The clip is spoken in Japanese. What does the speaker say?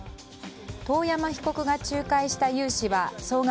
遠山被告が仲介した融資は総額